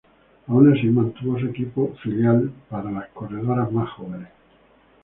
Aun así mantuvo su equipo filial para las corredoras más jóvenes.